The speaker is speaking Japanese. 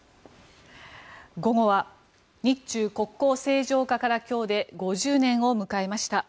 午後は日中国交正常化から今日で５０年を迎えました。